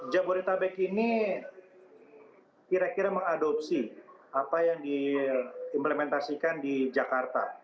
jabodetabek ini kira kira mengadopsi apa yang diimplementasikan di jakarta